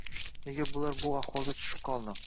Nega bular bu ahvolga tushib qoldi?